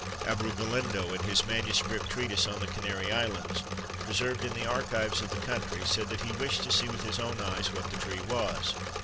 Abreu Galindo, in his manuscript treatise on the Canary Islands, preserved in the archives of the country, says that he wished to see with his own eyes what the tree was.